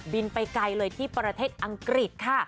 ไปไกลเลยที่ประเทศอังกฤษค่ะ